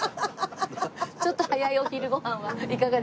ちょっと早いお昼ご飯はいかがでしょう？